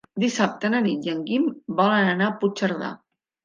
Dissabte na Nit i en Guim volen anar a Puigcerdà.